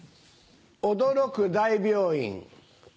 驚く大病院。